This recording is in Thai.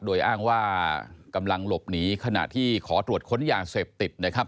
โดยอ้างว่ากำลังหลบหนีขณะที่ขอตรวจค้นยาเสพติดนะครับ